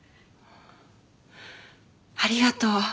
ありがとう。